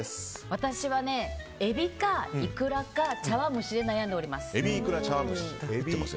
私はねエビかいくらか茶わん蒸しで悩んでおります。